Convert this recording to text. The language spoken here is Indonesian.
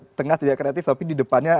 tengah tidak kreatif tapi di depannya